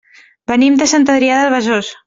Venim de Sant Adrià de Besòs.